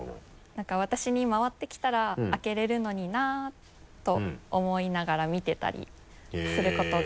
何か「私に回ってきたら開けれるのにな」と思いながら見てたりすることが多いです。